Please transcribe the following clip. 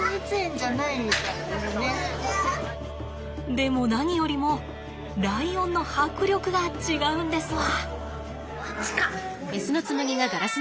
でも何よりもライオンの迫力が違うんですわ。